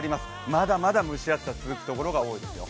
まだまだ蒸し暑さ、続くところが多いですよ。